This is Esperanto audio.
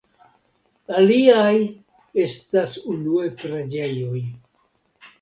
Aliaj estas unue preĝejoj.